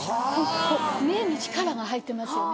目に力が入ってますよね。